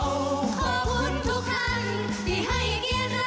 ขอบคุณทุกท่านที่ให้เกียรติเรา